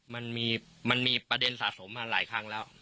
มันมีประเด็นสะสมมาหลายครั้งแล้ว